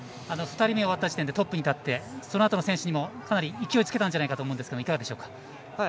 ２人目終わった時点でトップに立ってそのあとの選手にもかなり勢いつけたんじゃないかと思いますが、いかがでしたか。